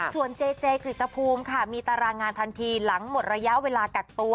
ส่วนเจเจกฤตภูมิค่ะมีตารางงานทันทีหลังหมดระยะเวลากักตัว